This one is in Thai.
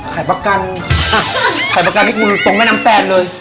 ขายประกันอ่ะขายประกันให้คุณตรงแม่น้ำแฟนเลย